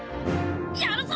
やるぞ！